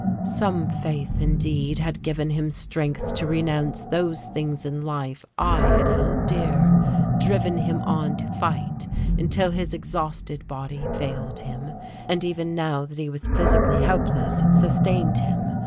Some faith indeed had given him strength to renounce those things in life I had held dear, driven him on to fight until his exhausted body failed him, and even now that he was physically helpless sustained him.